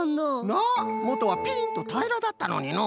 なあもとはぴんとたいらだったのにのう。